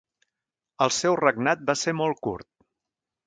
El seu regnat va ser molt curt.